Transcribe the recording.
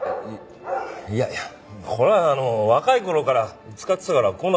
いやいやこれはあの若い頃から使ってたからこうなっただけだ。